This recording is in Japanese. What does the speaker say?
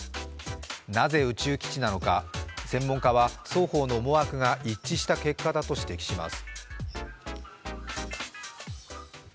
なぜ宇宙基地なのか、専門家は双方の思惑が一致した結果だと指摘します。